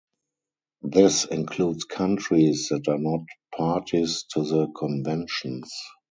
This includes countries that are not Parties to the Conventions.